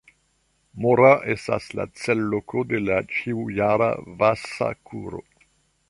Mora estas la cel-loko de la ĉiu-jara Vasa-kuro.